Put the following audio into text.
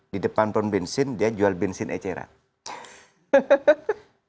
di depan pond bensin dia jual bensin eceran